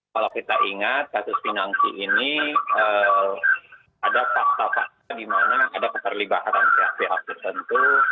kalau kita ingat kasus pinangki ini ada fakta fakta di mana ada keterlibatan pihak pihak tertentu